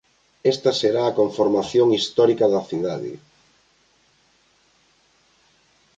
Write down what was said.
Esta será a conformación histórica da cidade.